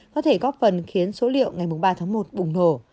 có thể góp phần khiến số liệu ngày ba tháng một bùng nổ